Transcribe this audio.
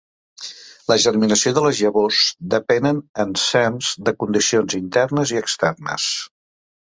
La germinació de les llavors depenen ensems de condicions internes i externes.